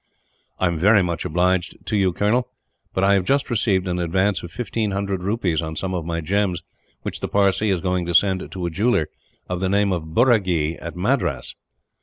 "I am very much obliged to you, Colonel; but I have just received an advance of fifteen hundred rupees, on some of my gems which the Parsee is going to send to a jeweller, of the name of Burragee, at Madras."